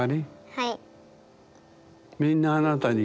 はい。